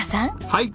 はい。